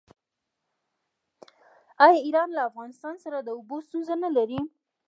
آیا ایران له افغانستان سره د اوبو ستونزه نلري؟